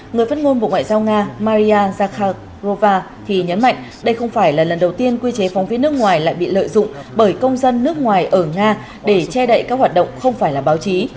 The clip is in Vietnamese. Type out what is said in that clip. người phát ngôn bộ ngoại giao nga maria zakharova thì nhấn mạnh đây không phải là lần đầu tiên quy chế phóng viên nước ngoài lại bị lợi dụng bởi công dân nước ngoài ở nga để che đậy các hoạt động không phải là báo chí